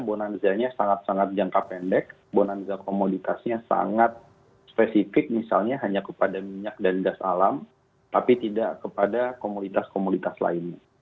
bonanzanya sangat sangat jangka pendek bonanza komoditasnya sangat spesifik misalnya hanya kepada minyak dan gas alam tapi tidak kepada komoditas komoditas lainnya